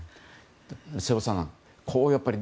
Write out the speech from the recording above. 瀬尾さん